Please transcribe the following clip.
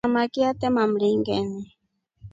Samaki atema mringeni.